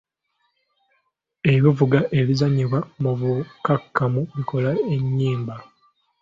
Ebivuga ebizannyibwa mu bukakkamu bikola enyimba.